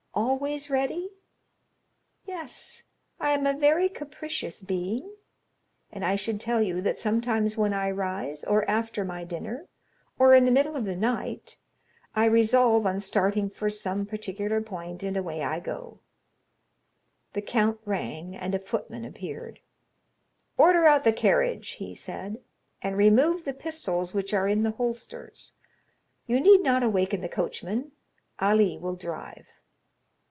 "Always ready?" "Yes. I am a very capricious being, and I should tell you that sometimes when I rise, or after my dinner, or in the middle of the night, I resolve on starting for some particular point, and away I go." The count rang, and a footman appeared. "Order out the carriage," he said, "and remove the pistols which are in the holsters. You need not awaken the coachman; Ali will drive."